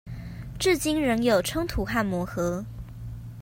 至今仍有衝突和磨合